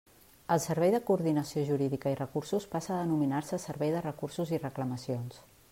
El Servei de Coordinació Jurídica i Recursos passa a denominar-se Servei de Recursos i Reclamacions.